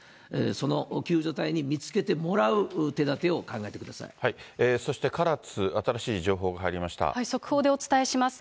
その救助隊に見つけてもらう手立てを考えてくださそして唐津、新しい情報が入速報でお伝えします。